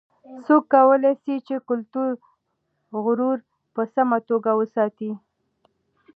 څوک کولای سي چې کلتوري غرور په سمه توګه وساتي؟